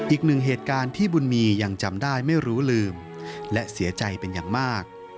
อีกหนึ่งเหตุการณ์ที่บุญมียังจำได้ไม่รู้ลืมและเสียใจเป็นอย่างมาก